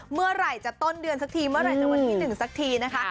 เมื่อไหร่จะต้นเดือนสักทีเมื่อไหร่จะวันที่๑สักทีนะคะ